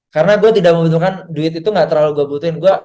karena gue tidak membutuhkan duit itu gak terlalu gue butuhin